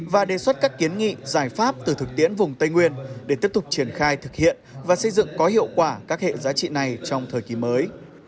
và đề xuất các kiến nghị giải pháp từ thực tiễn vùng tây nguyên để tiếp tục triển khai thực hiện và xây dựng có hiệu quả các hệ giá trị này trong thời kỳ mới